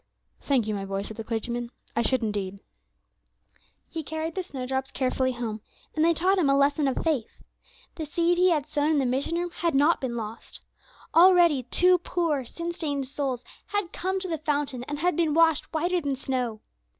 "Thank you, my boy," said the clergyman, "I should indeed." He carried the snowdrops carefully home, and they taught him a lesson of faith. The seed he had sown in the mission room had not been lost. Already two poor sin stained souls had come to the fountain, and had been washed whiter than snow.